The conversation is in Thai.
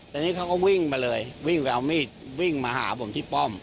แต่นี่เขาก็วิ่งมาเลยวิ่งไปเอามีดวิ่งมาหาผมที่ป้อม